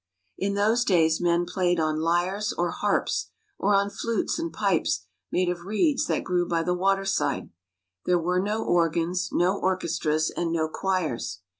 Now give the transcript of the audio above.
In those days men played on lyres or harps, or on flutes and pipes made of reeds that grew by the water side; there were no organs, no orchestras, and no choirs.